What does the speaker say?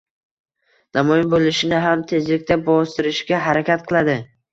namoyon bo‘lishini ham tezlikda bostirishga harakat qiladi.